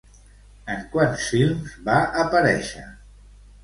En quants films va aparèixer?